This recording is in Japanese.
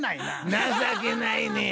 情けないねや。